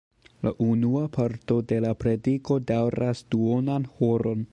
La unua parto de la prediko daŭras duonan horon.